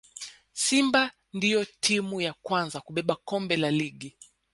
simba ndiyo timu ya kwanza kubeba kombe la ligi